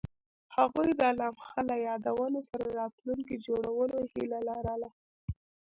هغوی د لمحه له یادونو سره راتلونکی جوړولو هیله لرله.